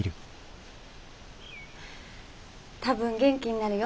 多分元気になるよ。